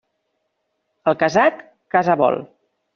El casat, casa vol.